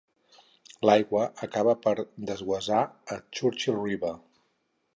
L"aigua acaba per desguassar a Churchill River.